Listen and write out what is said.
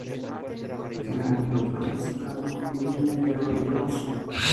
Tiene agricultura de secano con viña y olivos.